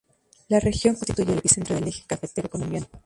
La región constituye el epicentro del Eje cafetero colombiano.